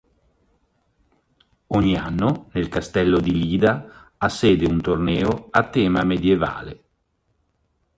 Ogni anno nel castello di Lida ha sede un torneo a tema medievale.